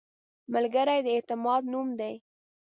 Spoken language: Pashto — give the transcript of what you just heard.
ملګری د اعتماد نوم دی